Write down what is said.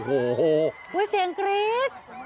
เฮ้ยเสียงกรี๊ก